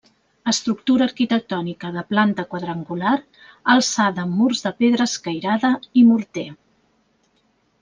Estructura arquitectònica de planta quadrangular alçada amb murs de pedra escairada i morter.